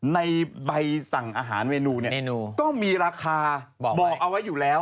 ในใบสั่งอาหารเมนูเนี่ยก็มีราคาบอกเอาไว้อยู่แล้ว